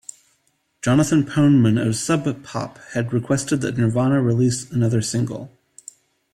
Jonathan Poneman of Sub Pop had requested that Nirvana release another single.